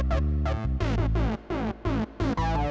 nih gue ngerjain